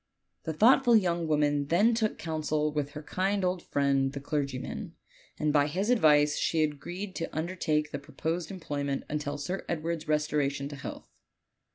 The thoughtful young woman then took counsel with her kind old friend the clergyman, and by his advice she agreed to undertake the proposed employment until Sir Edward's restoration to health.